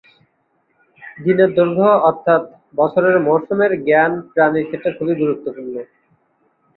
দিনের দৈর্ঘ্য, অর্থাৎ বছরের মৌসুমের জ্ঞান, প্রাণীর ক্ষেত্রে খুবই গুরুত্বপূর্ণ।